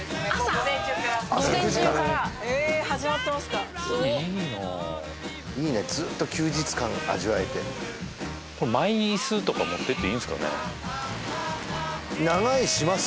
午前中から午前中からえー始まってますかすごっいいねずっと休日感味わえてこれマイ椅子とか持ってっていいんですかね長居します？